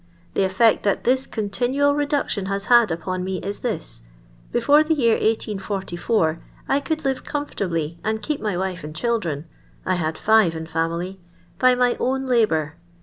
The eifect that this continual reduction has had upon me is this : Before the year lS4 t I could live com fortahly, and kiep my wife and children »I had live in family) by my own la'oour.